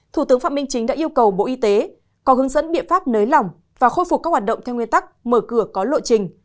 thủ tướng phạm minh chính đã yêu cầu bộ y tế có hướng dẫn biện pháp nới lỏng và khôi phục các hoạt động theo nguyên tắc mở cửa có lộ trình